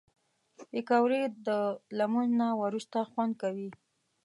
پکورې د لمونځ نه وروسته خوند کوي